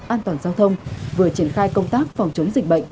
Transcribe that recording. an toàn giao thông vừa triển khai công tác phòng chống dịch bệnh